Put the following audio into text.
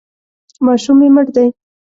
ماشوم مې مړ دی.